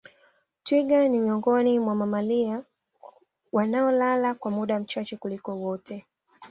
Twiga ni miongoni mwa mamalia wanaolala kwa muda mchache kuliko wote